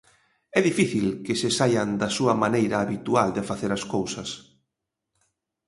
É difícil que se saian da súa maneira habitual de facer as cousas.